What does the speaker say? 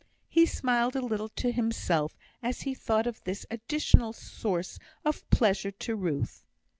He smiled a little to himself as he thought of this additional source of pleasure to Ruth.